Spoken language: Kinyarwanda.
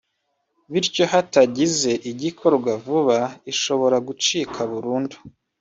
bityo hatagize igikorwa vuba ishobora gucika burundu